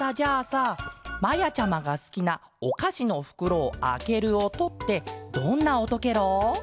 さまやちゃまがすきなおかしのふくろをあけるおとってどんなおとケロ？